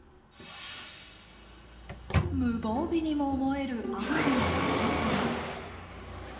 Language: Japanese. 無防備にも思えるアマミノクロウサギ。